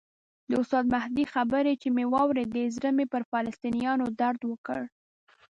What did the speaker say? د استاد مهدي خبرې چې مې واورېدې زړه مې پر فلسطینیانو درد وکړ.